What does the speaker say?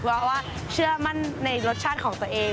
เพราะว่าเชื่อมั่นในรสชาติของตัวเอง